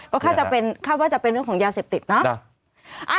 ก็คาดว่าจะเป็นเรื่องของยาเสพติดเนาะ